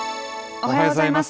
おはようございます。